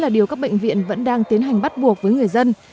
điều các bệnh viện vẫn đang tiến hành bắt buộc với người dân